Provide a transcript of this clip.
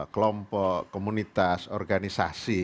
kelompok komunitas organisasi